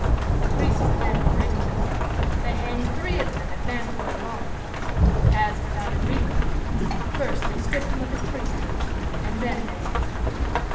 The priests were then for Italy. They hanged three of them at Mantua alone. As for Don Enrico, first they stripped him of his priesthood, and then they hanged him.